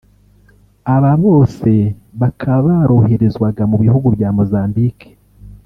Aba bose bakaba baroherezwaga mu bihugu bya Mozambique